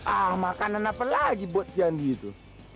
ah makanan apa lagi buat si andi itu